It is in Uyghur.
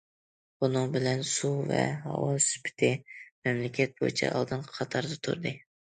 بۇنىڭ بىلەن سۇ ۋە ھاۋا سۈپىتى مەملىكەت بويىچە ئالدىنقى قاتاردا تۇردى.